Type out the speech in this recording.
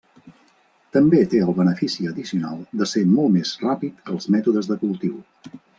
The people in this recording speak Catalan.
També té el benefici addicional de ser molt més ràpid que els mètodes de cultiu.